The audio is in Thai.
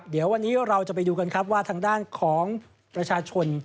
เดี๋ยววันนี้เราจะไปดูกันครับว่าทางด้านของประชาชน